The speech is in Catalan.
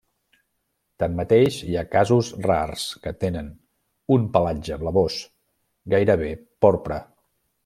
Tanmateix, hi ha casos rars que tenen un pelatge blavós, gairebé porpra.